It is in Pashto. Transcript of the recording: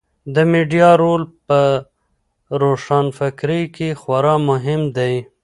د میډیا رول په روښانفکرۍ کې خورا مهم دی.